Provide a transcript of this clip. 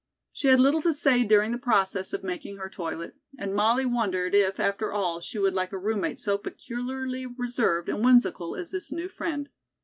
She had little to say during the process of making her toilet, and Molly wondered if, after all, she would like a roommate so peculiarly reserved and whimsical as this new friend.